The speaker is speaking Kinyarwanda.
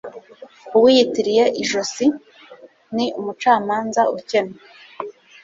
Uwiyitiriye ijosi ni umucamanza ukennye.